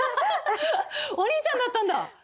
お兄ちゃんだったんだ！